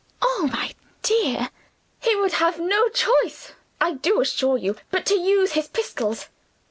Oh, my dear, he would have no choice, I do assure you, but to use his pistols.